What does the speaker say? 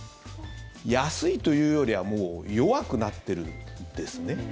安いというよりはもう弱くなってるんですね。